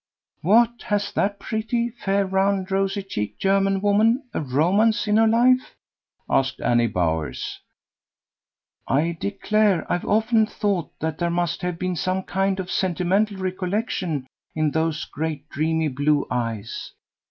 "What! has that pretty, fair, round rosy cheeked German woman a romance in her life?" asked Annie Bowers. "I declare I've often thought there must have been some kind of sentimental recollection in those great dreamy blue eyes.